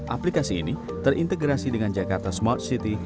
aplikasi ini terintegrasi dengan jakarta smart city